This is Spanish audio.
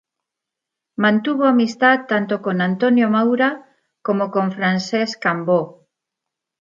Mantuvo amistad tanto con Antonio Maura como con Francesc Cambó.